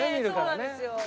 そうなんですよ。